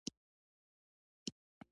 څارندويانو پر توندکارو ګولۍ وورولې.